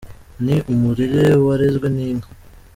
Ni umurere warezwe n’inka